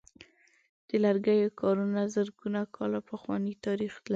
د لرګیو کارونه زرګونه کاله پخوانۍ تاریخ لري.